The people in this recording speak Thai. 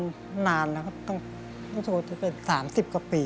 มันนานนะต้องช่วยจะเป็น๓๐กว่าปี